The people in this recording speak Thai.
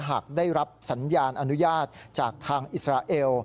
หากได้รับสัญญาณอนุญาตจากทางอิสราเอล